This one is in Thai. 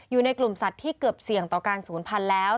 อยู่ในกลุ่มสัตว์ที่เกือบเสี่ยงต่อการศูนย์พันธุ์แล้ว